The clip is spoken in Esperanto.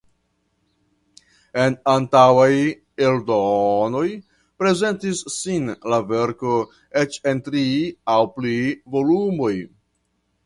En antaŭaj eldonoj prezentis sin la verko eĉ en tri aŭ pli volumoj.